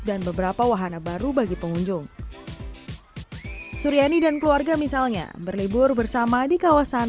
dan beberapa wahana baru bagi pengunjung suryani dan keluarga misalnya berlibur bersama di kawasan